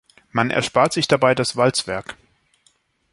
Man erspart sich dabei das Walzwerk.